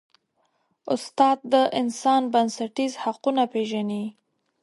استاد د انسان بنسټیز حقونه پېژني.